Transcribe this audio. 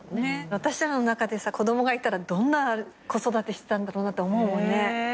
私らの中で子供がいたらどんな子育てしてたんだろうなって思うもんね。